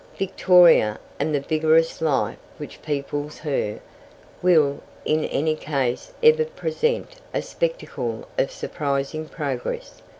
Victoria, and the vigorous life which peoples her, will in any case ever present a spectacle of surprising progress.